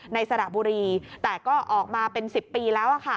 สระบุรีแต่ก็ออกมาเป็น๑๐ปีแล้ว